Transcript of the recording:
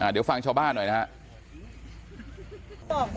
เดี๋ยวฟังชาวบ้านหน่อยนะครับ